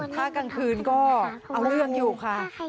ถ้ากลางคืนก็เอาเรื่องอยู่ค่ะ